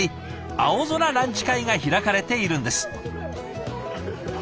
青空ランチ会が開かれているんです。